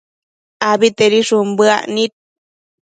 abitedishun bëec nid